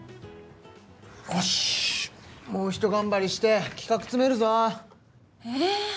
よしもうひと頑張りして企画詰めるぞええ